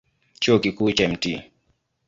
Chuo Kikuu cha Mt.